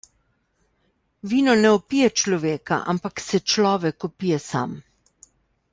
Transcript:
Vino ne opije človeka, ampak se človek opije sam.